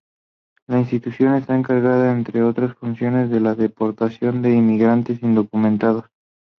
La institución está encargada entre otras funciones, de la deportación de inmigrantes indocumentados.